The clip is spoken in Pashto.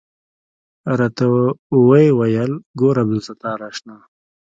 راته ويې ويل ګوره عبدالستاره اشنا.